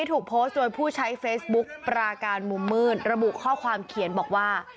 ถูกโพสต์โดยผู้ใช้เฟซบุ๊กปราการมุมมืดระบุข้อความเขียนบอกว่า